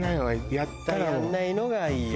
やらないのがいいよ